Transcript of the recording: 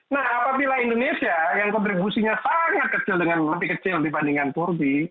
nah apabila indonesia yang kontribusinya sangat kecil dengan lebih kecil dibandingkan turki